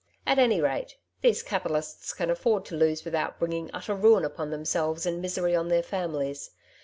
At any rate, these capi talists can afford to lose without bringing utter ruin upon themselves and misery on their families.